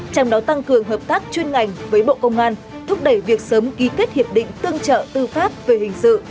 trong đó tăng cường hợp tác chuyên ngành với bộ công an thúc đẩy việc sớm ký kết hiệp định tương trợ tư pháp về hình sự